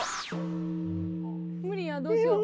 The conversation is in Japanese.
無理やどうしよう。